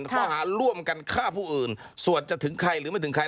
ข้อหาร่วมกันฆ่าผู้อื่นส่วนจะถึงใครหรือไม่ถึงใคร